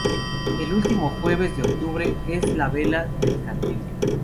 El último jueves de octubre es la Vela del Candil.